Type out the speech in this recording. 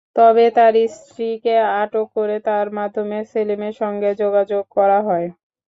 তবে তাঁর স্ত্রীকে আটক করে তাঁর মাধ্যমে সেলিমের সঙ্গে যোগাযোগ করা হয়।